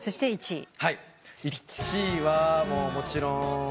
１位はもちろん。